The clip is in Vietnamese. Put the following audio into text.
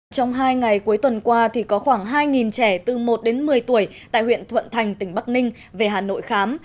trong hai ngày cuối tuần qua có khoảng hai trẻ từ một đến một mươi tuổi tại huyện thuận thành tỉnh bắc ninh về hà nội khám